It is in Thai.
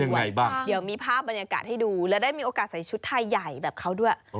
บ้างเดี๋ยวมีภาพบรรยากาศให้ดูและได้มีโอกาสใส่ชุดไทยใหญ่แบบเขาด้วย